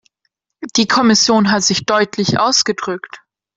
Die Kommission hat sich deutlich ausgedrückt.